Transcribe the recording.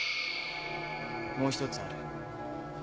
もう１つある。